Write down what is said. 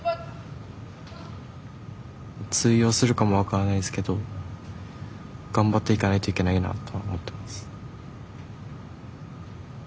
通用するかも分からないですけど頑張っていかないといけないなとは思ってます。